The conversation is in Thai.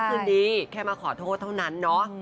คืนนี้แค่มาขอโทษเท่านั้นเนาะ